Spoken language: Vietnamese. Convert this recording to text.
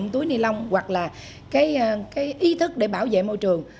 túi ni lông hoặc là cái ý thức để bảo vệ môi trường